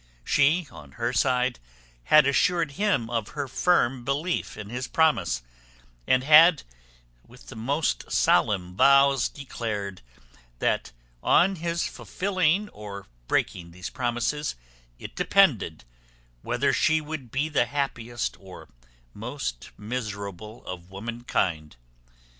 She, on her side, had assured him of her firm belief in his promise, and had with the most solemn vows declared, that on his fulfilling or breaking these promises, it depended, whether she should be the happiest or most miserable of womankind.